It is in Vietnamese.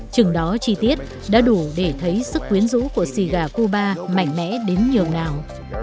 chừng đó chi tiết đã đủ để thấy sức quyến rũ của xì gà cuba mạnh mẽ đến nhiều ngào